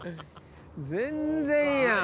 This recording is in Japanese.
全然やん。